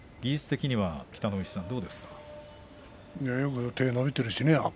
技術的には北の富士さん、どうですか。